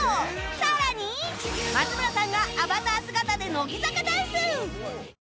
さらに松村さんがアバター姿で乃木坂ダンス